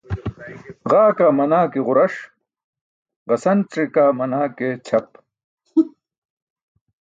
Ġaa kaa manaa ke ġuras gasance kaa manaa ke ćʰap.